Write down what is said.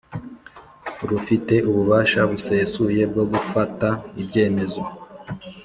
Rufite ububasha busesuye bwo gufata ibyemezo